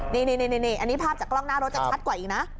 นี่อันนี้ภาพจากกล้องหน้ารถจะชัดกว่าอีกนะ